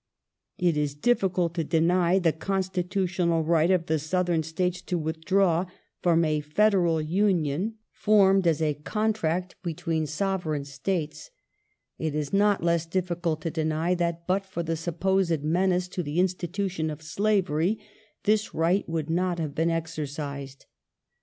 It is difficult to deny the constitutional right of the Southern States to withdraw from a Federal Union formed by a 1865] THE CIVIL WAR IN AMERICA 315 contract between " Sovereign " States. It is not less difficult to deny that, but for the supposed menace to the institution of slavery, this right would not have been exercised.